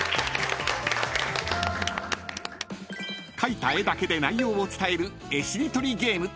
［描いた絵だけで内容を伝える絵しりとりゲーム］